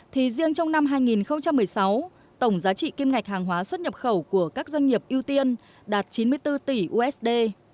thì riêng trong năm hai nghìn một mươi sáu tổng giá trị kim ngạch hàng hóa xuất nhập khẩu của các doanh nghiệp ưu tiên đạt chín mươi bốn tỷ usd